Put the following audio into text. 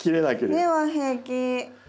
根は平気。